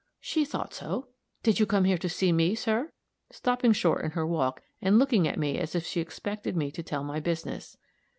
"She thought so. Did you come here to see me, sir?" stopping short in her walk, and looking at me as if she expected me to tell my business.